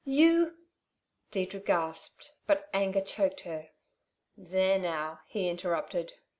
"You " Deirdre gasped; but anger choked her. "There, now," he interrupted.